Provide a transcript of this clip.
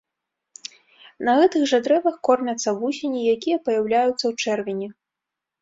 На гэтых жа дрэвах кормяцца вусені, якія паяўляюцца ў чэрвені.